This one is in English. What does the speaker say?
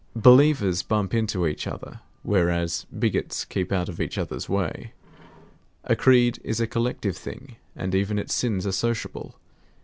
Believers bump into each other; whereas bigots keep out of each other's way. A creed is a collective thing, and even its sins are sociable.